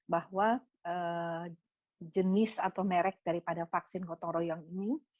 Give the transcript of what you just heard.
bahwa jenis atau merek daripada vaksin gotong royong ini